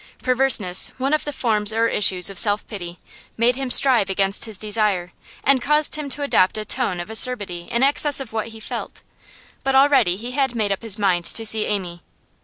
Perverseness, one of the forms or issues of self pity, made him strive against his desire, and caused him to adopt a tone of acerbity in excess of what he felt; but already he had made up his mind to see Amy.